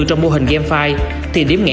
trong mô hình game file thì điểm ngã